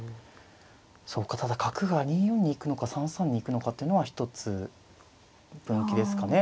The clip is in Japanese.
そうかただ角が２四に行くのか３三に行くのかっていうのは一つ分岐ですかね。